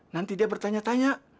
nanti dia bertanya tanya